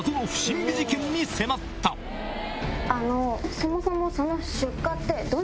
そもそも。